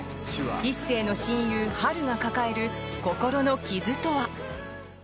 一星の親友・春が抱える心の傷とは。